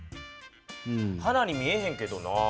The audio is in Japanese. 花に見えへんけどなぁ。